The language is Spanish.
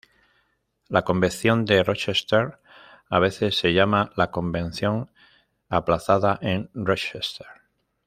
La Convención de Rochester a veces se llama la Convención aplazada en Rochester.